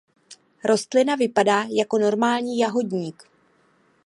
Rostlina vypadá jako normální jahodník.